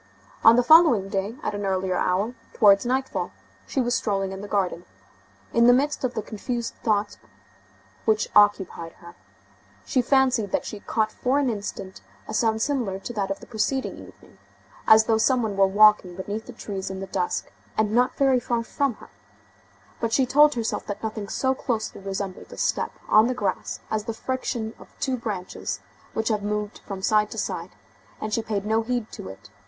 On the following day, at an earlier hour, towards nightfall, she was strolling in the garden. In the midst of the confused thoughts which occupied her, she fancied that she caught for an instant a sound similar to that of the preceding evening, as though some one were walking beneath the trees in the dusk, and not very far from her; but she told herself that nothing so closely resembles a step on the grass as the friction of two branches which have moved from side to side, and she paid no heed to it.